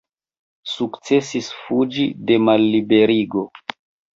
Sukcesis fuĝi de malliberigo.